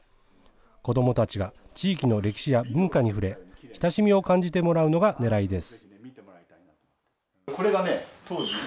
子どもたちが地域の歴史や文化に触れ、親しみを感じてもらうのがねらいです。